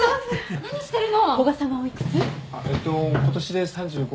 何してるの？